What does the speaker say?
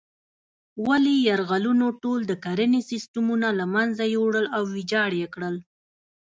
ولې یرغلونو ټول د کرنې سیسټمونه له منځه یوړل او ویجاړ یې کړل.